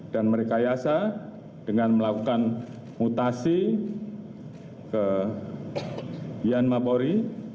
dan merekayasa dengan melakukan mutasi ke yanmabori